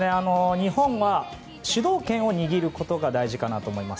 日本は主導権を握ることが大事かなと思います。